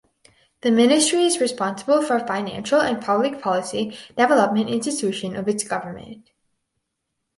The ministry is responsible for financial and public policy development institution of its Government.